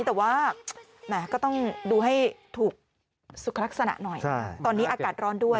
แต่ว่าแหมก็ต้องดูให้ถูกสุขลักษณะหน่อยตอนนี้อากาศร้อนด้วย